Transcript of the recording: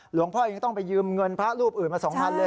หลวงพ่อยังต้องไปยืมเงินพระรูปอื่นมา๒๐๐เลย